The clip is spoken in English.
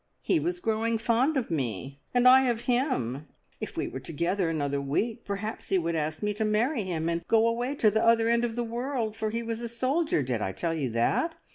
He was growing fond of me, and I of him; if we were together another week, perhaps he would ask me to marry him and go away to the other end of the world, for he was a soldier did I tell you that?